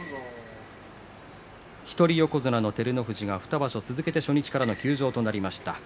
一人横綱の照ノ富士が２場所続けて初日からの休場となりました。